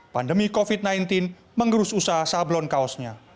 pandemi covid sembilan belas menggerus usaha sablon kaosnya